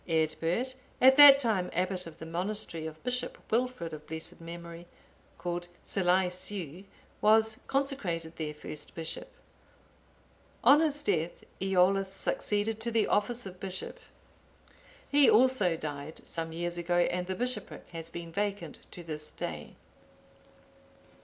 (880) Eadbert, at that time abbot of the monastery of Bishop Wilfrid, of blessed memory, called Selaeseu,(881) was consecrated their first bishop. On his death, Eolla succeeded to the office of bishop. He also died some years ago, and the bishopric has been vacant to this day.